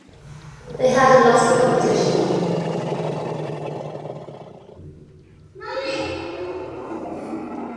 They had a lot of competition.